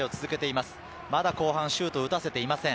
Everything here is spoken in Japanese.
まだ後半、シュートを打たせていません。